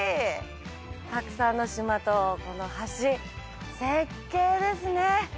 たくさんの島と、この橋、絶景ですね。